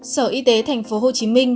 sở y tế tp hcm